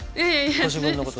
ご自分のこと。